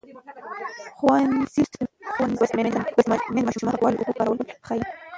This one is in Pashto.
ښوونځې لوستې میندې د ماشومانو د پاکو اوبو کارول ښيي.